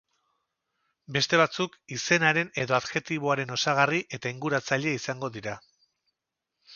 Beste batzuk izenaren edo adjektiboaren osagarri eta inguratzaile izango dira.